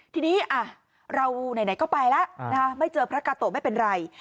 ทีนี้เราไหนก็ไปแล้วไม่เจอพระกาโตะไม่เป็นไร